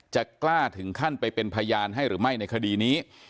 จะกล้าถึงขั้นไปเป็นพยานให้หรือไม่ในคดีนี้